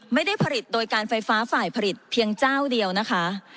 ไม่ได้ผลิตโดยการไฟฟ้าฝ่ายผลิตเพียงเจ้าเดียวนะคะ